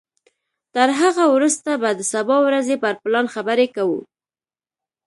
تر هغه وروسته به د سبا ورځې پر پلان خبرې کوو.